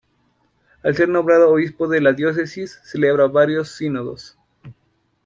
Al ser nombrado obispo de la diócesis, celebra varios sínodos.